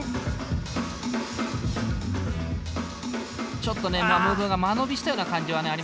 ちょっとねムーブが間延びしたような感じはありましたね。